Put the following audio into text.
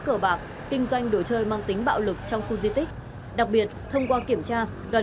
cờ bạc kinh doanh đồ chơi mang tính bạo lực trong khu di tích đặc biệt thông qua kiểm tra đoàn